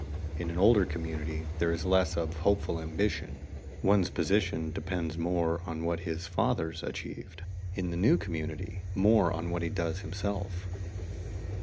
In an older community there is less of hopeful ambition; one's position depends more on what his fathers achieved; in the new community, more on what he does himself.